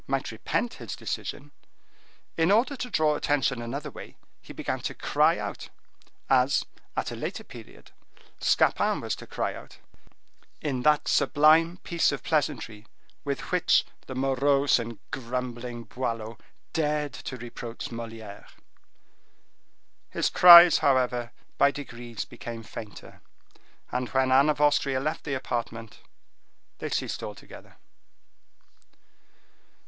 might repent his decision, in order to draw attention another way he began to cry out, as, at a later period, Scapin was to cry out, in that sublime piece of pleasantry with which the morose and grumbling Boileau dared to reproach Moliere. His cries, however, by degrees, became fainter; and when Anne of Austria left the apartment, they ceased altogether.